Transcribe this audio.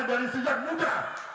dari sejak muda